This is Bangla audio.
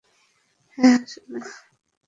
হ্যাঁ, আসলেই।